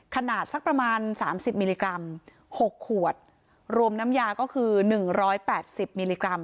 ขนาดสักประมาณสามสิบมิลลิกรัม๖ขวดรวมน้ำยาก็คือ๑๘๐มิลลิกรัม